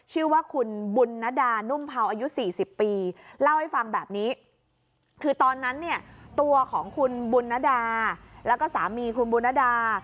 หลับคุณบุณดาและสามีคุณบุณดา